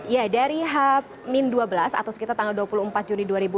ya dari h dua belas atau sekitar tanggal dua puluh empat juni dua ribu dua puluh